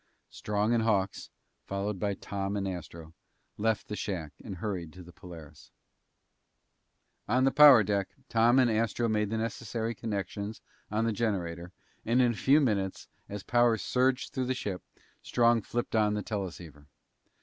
Strong and Hawks, followed by Tom and Astro, left the shack and hurried to the Polaris. On the power deck, Tom and Astro made the necessary connections on the generator, and in a few minutes, as power surged through the ship, Strong flipped on the teleceiver.